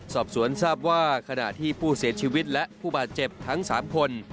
สอบสวนทราบว่าขณะที่ผู้เสียชีวิตและผู้บาดเจ็บทั้ง๓คน